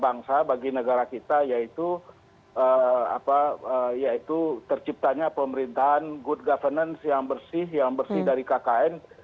bangsa bagi negara kita yaitu terciptanya pemerintahan good governance yang bersih yang bersih dari kkn